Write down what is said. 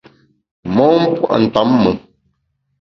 Mon pua’ ntamme.